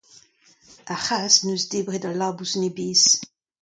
Ar c'hazh en deus debret al labous en e bezh.